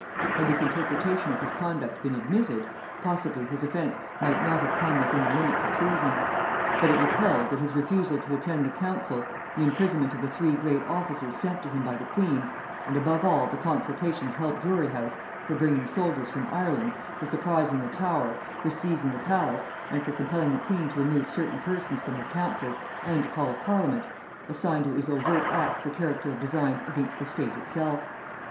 Had this interpretation of his conduct been admitted, possibly his offence might not have come within the limits of treason: but it was held, that his refusal to attend the council; the imprisonment of the three great officers sent to him by the queen; and above all the consultations held at Drury house for bringing soldiers from Ireland, for surprising the Tower, for seizing the palace, and for compelling the queen to remove certain persons from her counsels and to call a parliament, assigned to his overt acts the character of designs against the state itself.